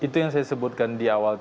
itu yang saya sebutkan di awal